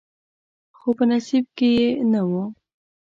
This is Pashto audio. خو په نصیب کې یې نه و.